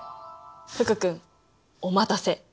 福君お待たせ。